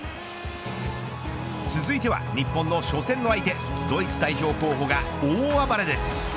続いては日本の初戦の相手ドイツ代表候補が大暴れです。